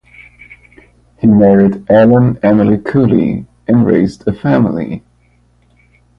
He married Ellen Emily Cooley, and raised a family.